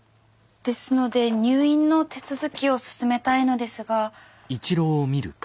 ですので入院の手続きを進めたいのですが。